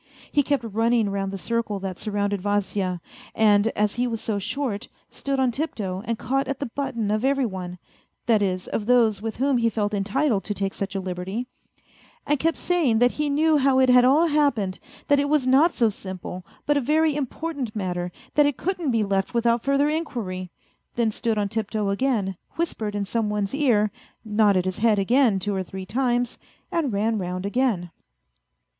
He kept running round the circle that surrounded Vasya, and as he was so short, stood on tiptoe and caught at the button of every one that is, of those with whom he felt entitled to take such a liberty and kept saying that he knew how it had all happened, that it was not so simple, but a very important matter, that it couldn't be left without further inquiry; then stood on tiptoe again, whispered in some one's ear, nodded his head again two or three times, and ran round again.